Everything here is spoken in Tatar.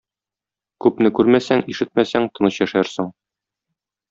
Күпне күрмәсәң, ишетмәсәң тыныч яшәрсең.